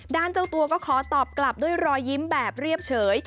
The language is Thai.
เจ้าตัวก็ขอตอบกลับด้วยรอยยิ้มแบบเรียบเฉย